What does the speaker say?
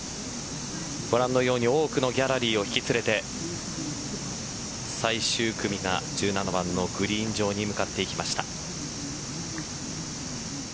ご覧のように多くのギャラリーを引き連れて最終組が１７番のグリーン上に向かっていきました。